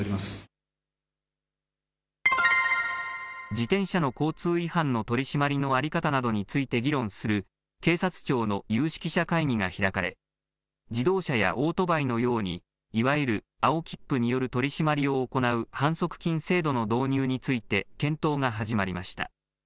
自転車の交通違反の取締りの在り方などについて議論する、警察庁の有識者会議が開かれ、自動車やオートバイのように、いわゆる青切符による取締りを行う、反則金制度の導入について検討が始まりました。